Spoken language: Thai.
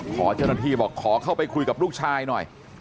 ขอเจ้าหน้าที่บอกขอเข้าไปคุยกับลูกชายหน่อย